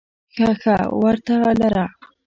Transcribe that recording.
ښه ښه ورته لره !